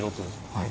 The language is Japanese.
はい。